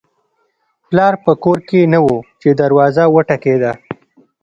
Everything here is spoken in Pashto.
پلار په کور کې نه و چې دروازه وټکېده